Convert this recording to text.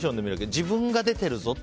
自分が出てるぞって。